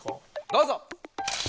どうぞ！